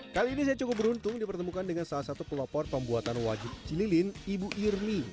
kali ini saya cukup beruntung dipertemukan dengan salah satu pelopor pembuatan wajit cililin ibu irmi